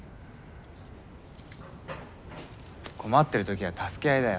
困ってる時は助け合いだよ。